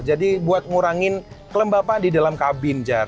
jadi buat ngurangin kelembapan di dalam kabin jar